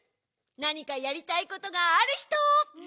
なにかやりたいことがあるひと！